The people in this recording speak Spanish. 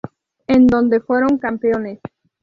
En donde fueron campeones.